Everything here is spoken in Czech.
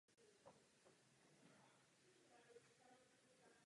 Jméno stanice je odvozeno od názvu "Avenue Philippe Auguste".